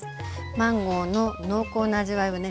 マンゴーの濃厚な味わいをね